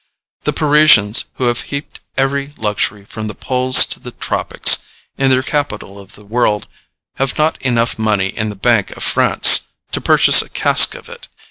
The Parisians, who have heaped every luxury, from the poles to the tropics, in their capital of the world, have not enough money in the Bank of France to purchase a cask of it.